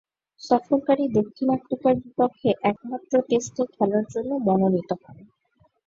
সফরকারী দক্ষিণ আফ্রিকার বিপক্ষে একমাত্র টেস্টে খেলার জন্য মনোনীত হন।